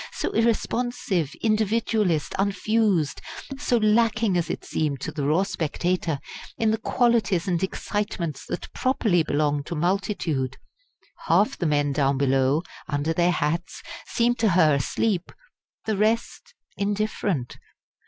so irresponsive, individualist, unfused so lacking, as it seemed to the raw spectator, in the qualities and excitements that properly belong to multitude! Half the men down below, under their hats, seemed to her asleep; the rest indifferent.